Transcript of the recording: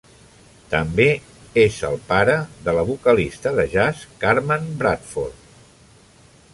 També és el pare de la vocalista de jazz Carmen Bradford.